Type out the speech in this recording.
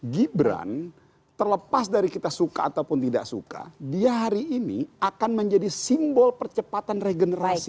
gibran terlepas dari kita suka ataupun tidak suka dia hari ini akan menjadi simbol percepatan regenerasi